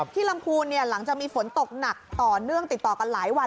ลำพูนหลังจากมีฝนตกหนักต่อเนื่องติดต่อกันหลายวัน